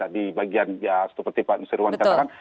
di bagian ya seperti pak nusirwan katakan